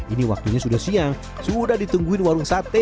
ini waktunya sudah siang sudah ditungguin warung sate